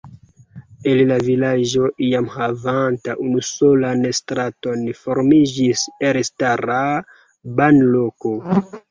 El la vilaĝo iam havanta unusolan straton formiĝis elstara banloko.